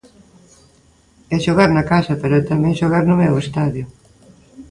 É xogar na casa pero é tamén xogar no meu estadio.